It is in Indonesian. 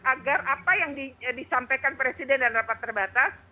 agar apa yang disampaikan presiden dan rapat terbatas